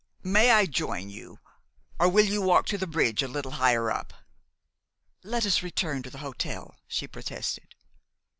May I join you, or will you walk to the bridge a little higher up?" "Let us return to the hotel," she protested.